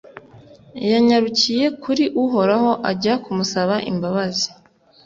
yanyarukiye kuri uhoraho ajya kumusaba imbabazi